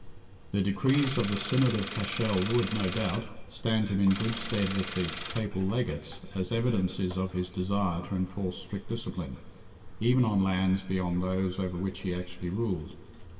The decrees of the Synod of Cashel would, no doubt, stand him in good stead with the Papal legates as evidences of his desire to enforce strict discipline, even on lands beyond those over which he actually ruled.